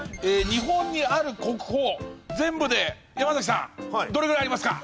日本にある国宝全部で山崎さんどれぐらいありますか？